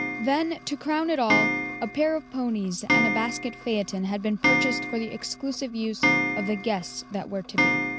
Then, to crown it all, a pair of ponies and a basket phaeton had been purchased for the exclusive use of the guests that were to be.